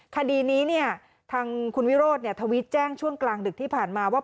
คดีนี้เนี่ยทางคุณวิโรธทวิตแจ้งช่วงกลางดึกที่ผ่านมาว่า